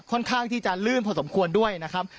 ค่อนข้างที่จะลื่นพอสมควรด้วยนะครับ